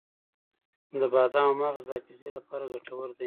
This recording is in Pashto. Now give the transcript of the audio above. د بادامو مغز د حافظې لپاره ګټور دی.